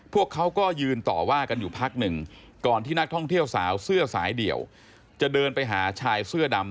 พวกเขาก็ยืนต่อว่ากันอยู่พักหนึ่งก่อนที่นักท่องเที่ยวสาวเสื้อสายเดี่ยวจะเดินไปหาชายเสื้อดำ